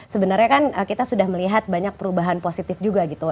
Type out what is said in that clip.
sebenarnya kan kita sudah melihat banyak perubahan positif juga gitu